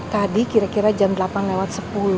tadi kira kira jam delapan lewat sepuluh